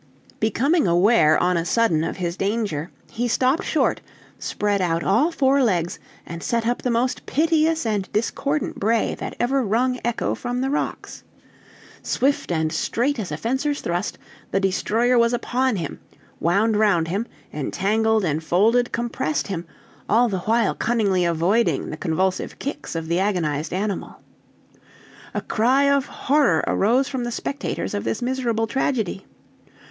Becoming aware on a sudden of his danger, he stopped short, spread out all four legs, and set up the most piteous and discordant bray that ever wrung echo from the rocks. Swift and straight as a fencer's thrust, the destroyer was upon him, wound round him, entangled, enfolded, compressed him, all the while cunningly avoiding the convulsive kicks of the agonized animal. A cry of horror arose from the spectators of this miserable tragedy.